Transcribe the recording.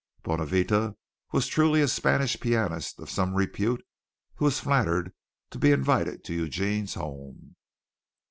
Bonavita was truly a Spanish pianist of some repute who was flattered to be invited to Eugene's home.